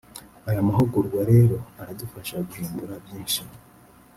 Aya mahugurwa rero aradufasha guhindura byinshi